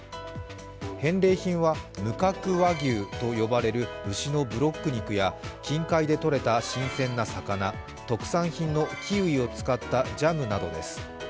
返礼品は無角和牛と呼ばれる牛のブロック肉や近海でとれた新鮮な魚、特産品のキウイを使ったジャムなどです。